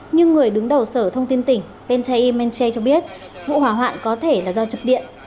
nhưng người đứng đầu sở thông tin tỉnh pentay manche cho biết vụ hỏa hoạn có thể là do chập điện